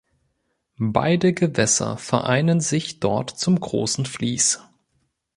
Beide Gewässer vereinen sich dort zum Großen Fließ.